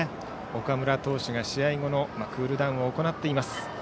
岡村投手が試合後のクールダウンを行っています。